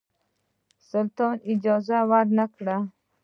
سلطان اجازه ورنه کړه.